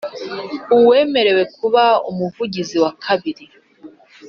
Uwemerewe kuba umuvugizi wa kabiri